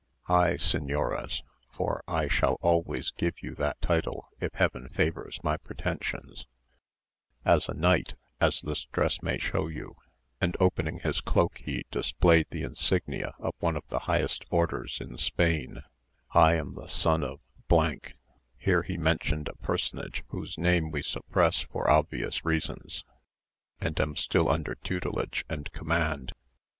I, señoras (for I shall always give you that title if heaven favours my pretensions), am a knight, as this dress may show you;" and opening his cloak he displayed the insignia of one of the highest orders in Spain; "I am the son of——" (here he mentioned a personage whose name we suppress for obvious reasons), "and am still under tutelage and command.